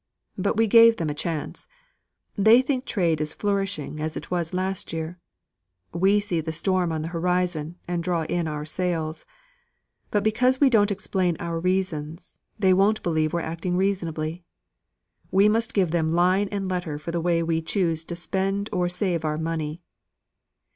But we gave them a chance. They think trade is flourishing as it was last year. We see the storm on the horizon and draw in our sails. But because we don't explain our reasons, they won't believe we're acting reasonably. We must give them line and letter for the way we choose to spend or save our money.